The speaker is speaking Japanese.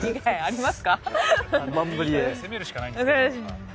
攻めるしかないんですけども。